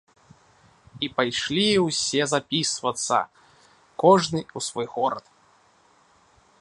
І пайшлі ўсе запісвацца, кожны ў свой горад.